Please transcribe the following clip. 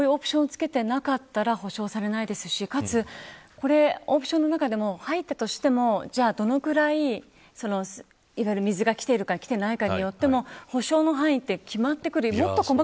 ですから、こういうオプションを付けてなかったら補償されないですしかつ、オプションの中でも入っていたとしてもじゃあどのくらい水が来ているか来ていないかによっても補償の範囲は決まってくる。